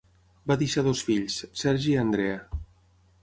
Va deixar dos fills, Sergi i Andrea.